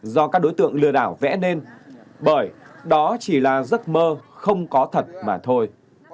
do các đối tượng lừa đảo vẽ nên bởi đó chỉ là giấc mơ không có thật mà thôi